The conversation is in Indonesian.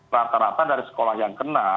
rata rata dari sekolah yang kena